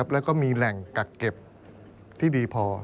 แล้วก็มีแหล่งกักเก็บที่ดีพอ